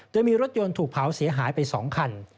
โดยมีรถยนต์ถูกเผาเสียหายไป๒คัน